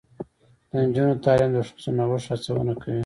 د نجونو تعلیم د ښځو نوښت هڅونه کوي.